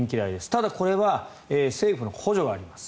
ただ、これは政府の補助があります。